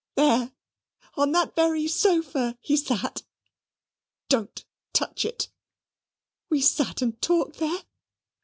There on that very sofa he sate. Don't touch it. We sate and talked there.